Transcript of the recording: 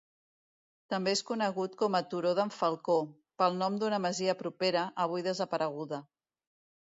També és conegut com a Turó d'en Falcó, pel nom d'una masia propera, avui desapareguda.